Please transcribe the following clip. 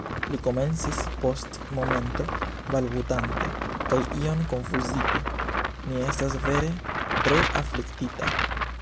Li komencis post momento, balbutante kaj iom konfuzite, -- mi estas vere tre afliktita.